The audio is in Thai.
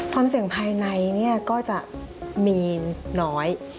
ความเสี่ยงภายในก็จะมีน้อย